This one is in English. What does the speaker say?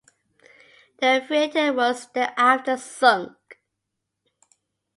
The freighter was thereafter sunk.